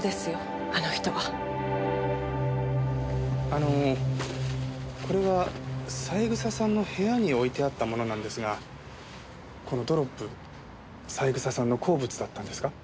あのこれは三枝さんの部屋に置いてあったものなんですがこのドロップ三枝さんの好物だったんですか？